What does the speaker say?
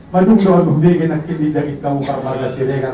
madung doan udegen nangkin di jagit kamu parmarga sirega